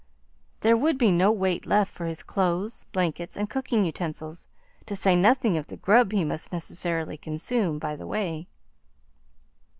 There would be no weight left for his clothes, blankets, and cooking utensils, to say nothing of the grub he must necessarily consume by the way.